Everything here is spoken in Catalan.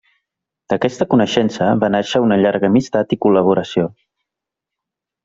D'aquesta coneixença va nàixer una llarga amistat i col·laboració.